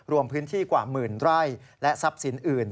รวมพื้นที่กว่าหมื่นไร่และทรัพย์สินอื่น